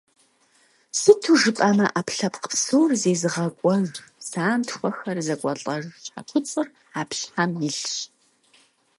Сыту жыпӏэмэ, ӏэпкълъэпкъ псор зезыгъэкӏуэж, псантхуэхэр зэкӏуэлӏэж щхьэкуцӏыр аб щхьэм илъщ.